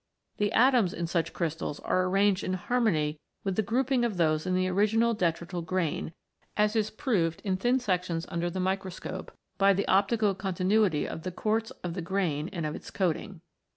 The atoms in such crystals are arranged in harmony with the grouping of those in the original detrital grain, as is proved in thin sections under the microscope by the optical continuity of the quartz of the grain and of its coating.